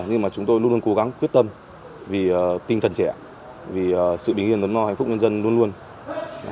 nhưng mà chúng tôi luôn luôn cố gắng quyết tâm vì tinh thần trẻ vì sự bình yên ấm no hạnh phúc nhân dân luôn luôn